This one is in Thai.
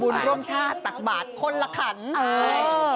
ทำบุญร่วมชาติตักบาทคนละครรภ์